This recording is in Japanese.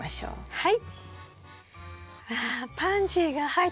はい。